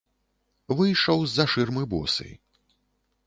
Выйшаў з-за шырмы босы.